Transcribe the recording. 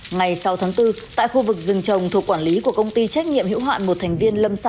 ngày sáu tháng bốn tại khu vực rừng trồng thuộc quản lý của công ty trách nhiệm hữu hạn một thành viên lâm sản